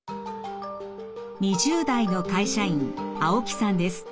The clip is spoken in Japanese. ２０代の会社員青木さんです。